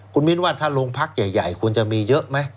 คุณมิ้นว่าถ้าโรงพักใหญ่ควรจะมีเยอะไหม